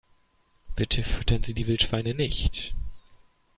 Bitte füttern Sie die Wildschweine nicht!